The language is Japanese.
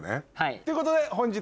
ということで本日の中継